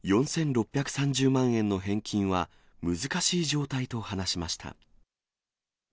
４６３０万円の返金は難しい状態と話しました。